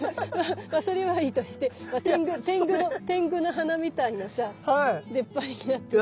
まあそれはいいとして天狗の鼻みたいなさ出っ張りになってるよ。